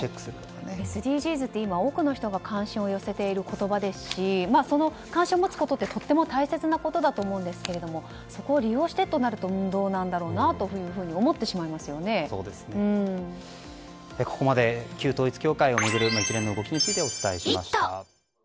ＳＤＧｓって今多くの人が関心を寄せている言葉ですしその関心を持つことってとても大切なことだと思うんですけどそれを利用してとなるとどうなんだろうとここまで旧統一教会を巡る一連の動きについてお伝えしました。